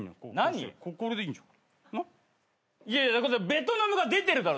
ベトナムが出てるだろ。